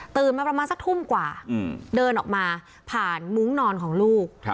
มาประมาณสักทุ่มกว่าเดินออกมาผ่านมุ้งนอนของลูก